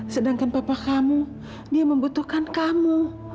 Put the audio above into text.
sedangkan papa kamu dia membutuhkan kamu